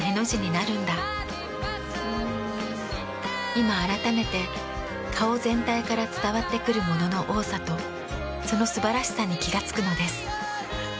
今あらためて顔全体から伝わってくるものの多さとその素晴らしさに気が付くのです。